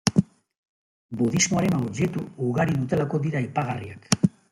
Budismoaren objektu ugari dutelako dira aipagarriak.